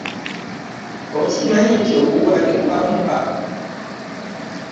Okimanyi nti oguggwa teguba muka?